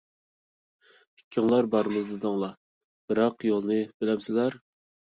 ئىككىڭلار بارىمىز دېدىڭلار، بىراق يولنى بىلەمسىلەر؟!